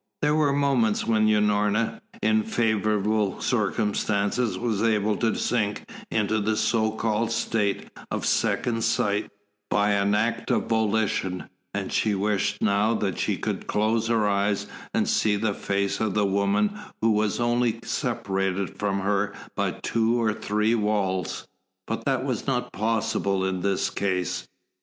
There were moments when Unorna, in favourable circumstances, was able to sink into the so called state of second sight, by an act of volition, and she wished now that she could close her eyes and see the face of the woman who was only separated from her by two or three walls. But that was not possible in this case.